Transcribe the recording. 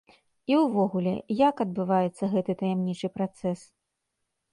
І ўвогуле, як адбываецца гэты таямнічы працэс?